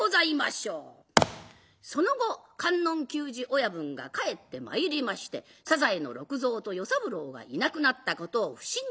その後観音久次親分が帰ってまいりましてさざえの六蔵と与三郎がいなくなったことを不審に思い